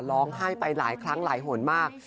ร้องไห้ไปหลายครั้งหลายหนมาก